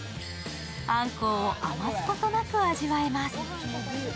あんこうを余すことなく味わえます。